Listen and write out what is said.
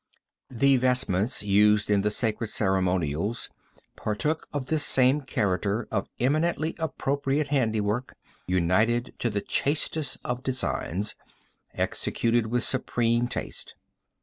The vestments used in the sacred ceremonials partook of this same character of eminently appropriate handiwork united to the chastest of designs, executed with supreme taste.